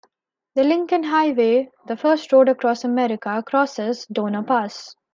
The Lincoln Highway, the first road across America, crosses Donner Pass.